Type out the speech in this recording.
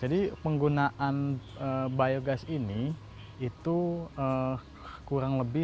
jadi penggunaan biogas ini kurang lebih sekitar dekat dengan biogas secara ekonomi